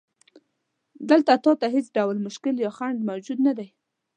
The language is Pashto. دلته تا ته هیڅ ډول مشکل یا خنډ موجود نه دی.